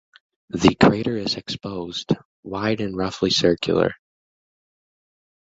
The crater is exposed, wide and roughly circular.